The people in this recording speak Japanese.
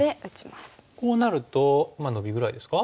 こうなるとノビぐらいですか。